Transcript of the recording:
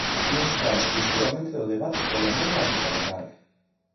Vimos falar exclusivamente do debate pola emenda á totalidade.